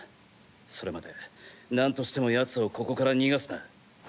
それまでなんとしてもヤツをここから逃がすな。